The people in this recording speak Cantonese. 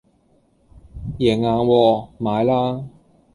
贏硬喎！買啦